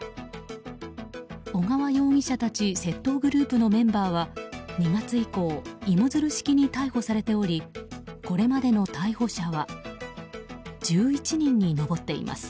小川容疑者たち窃盗グループのメンバーは２月以降芋づる式に逮捕されておりこれまでの逮捕者は１１人に上っています。